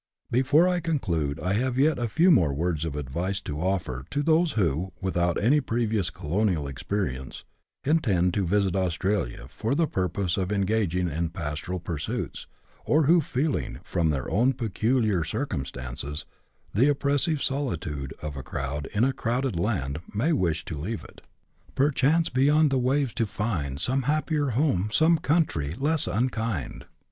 Before I conclude I have yet a few words of advice to offer to those who, without any previous colonial experience, intend to CHAP. XIV.] HINTS TO CAPITALISTS. 157 visit Australia for the purpose of engaging in pastoral pursuits, or who, feeling, from their own peculiar circumstances, the oppressive solitude of a crowd in a crowded land, may wish to leave it, " Perchance, beyond the "vraves to find Some happier home, some country less unkind."